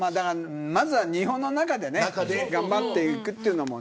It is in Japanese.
まずは日本の中で頑張っていくというのもね。